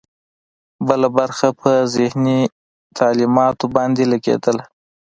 بله برخه پر مذهبي تعلیماتو باندې لګېدله.